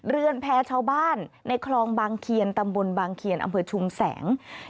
เรือนแพร่ชาวบ้านตำบนน์บางเคียนอำเผอร์ชุมแสง